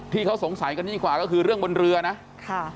ที่เขาสงสัยกันยิ่งกว่าก็คือเรื่องบนเรือนะค่ะ